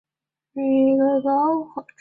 魔宠魔宠专卖店